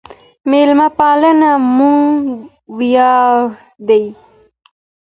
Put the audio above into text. ميلمه پالنه مو وياړ دی.